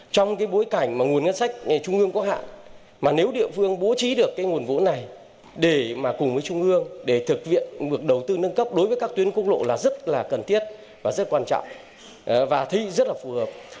trong cái bối cảnh mà nguồn ngân sách trung ương có hạn mà nếu địa phương bố trí được cái nguồn vốn này để mà cùng với trung ương để thực hiện ngược đầu tư nâng cấp đối với các tuyến quốc lộ là rất là cần thiết và rất quan trọng và thấy rất là phù hợp